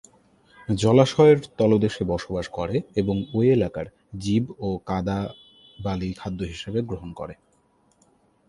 জলাশয়ের তলদেশে বসবাস করে এবং ঐ এলাকার জীব ও কাঁদা-বালি খাদ্য হিসেবে গ্রহণ করে।